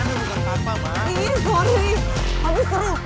jadi mereka biasa kena pukulan